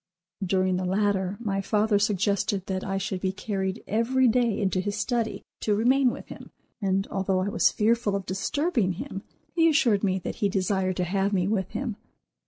During the latter, my father suggested that I should be carried every day into his study to remain with him, and, although I was fearful of disturbing him, he assured me that he desired to have me with him.